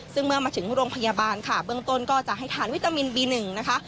ซึ่งเมื่อมาถึงโรงพยาบาลค่ะเบื้องต้นก็จะให้ทานวิตามินบี๑นะคะ